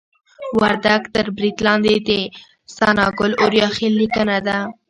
وردګ تر برید لاندې د ثناګل اوریاخیل لیکنه ده